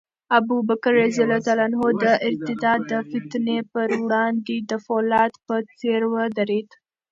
ابوبکر رض د ارتداد د فتنې پر وړاندې د فولاد په څېر ودرېد.